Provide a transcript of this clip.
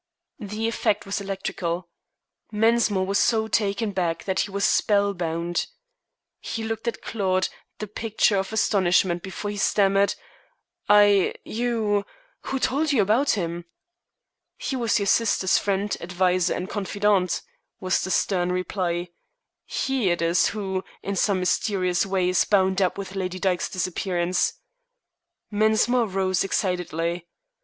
The effect was electrical. Mensmore was so taken back that he was spellbound. He looked at Claude, the picture of astonishment, before he stammered: "I you who told you about him?" "He was your sister's friend, adviser, and confidant," was the stern reply. "He it is who, in some mysterious way, is bound up with Lady Dyke's disappearance." Mensmore rose excitedly.